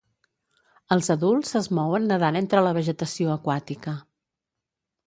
Els adults es mouen nedant entre la vegetació aquàtica.